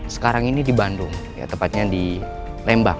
sekarang ini di bandung tepatnya di lembang